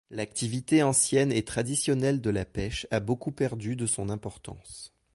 L'activité ancienne et traditionnelle de la pêche a beaucoup perdu de son importance.